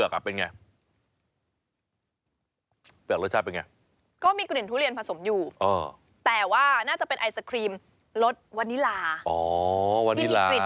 ใครจะไปชิมหมา